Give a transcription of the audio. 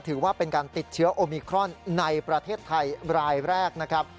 ถือว่าเป็นการติดเชื้อโอมิครอนในประเทศไทยรายแรกนะครับ